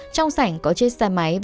trong sảnh có chiếc xe máy